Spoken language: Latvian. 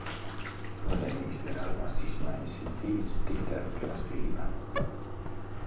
Šodien izdarāmās izmaiņas ir dzīves diktēta prasība.